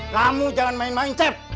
kamu jangan main main cap